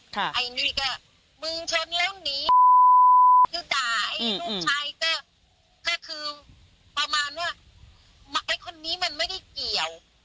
ไอ้นี่ก็มึงชนแล้วหนีคือด่าไอ้ลูกชายก็คือประมาณว่าไอ้คนนี้มันไม่ได้เกี่ยว